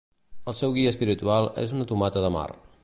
El seu guia espiritual és una tomata de mar.